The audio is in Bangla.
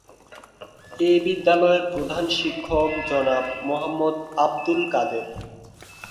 এ বিদ্যালয়ের প্রধান শিক্ষক জনাব মোহাম্মদ আবদুল কাদের।